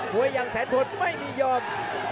หัวอย่างแสดงผลไม่มียอม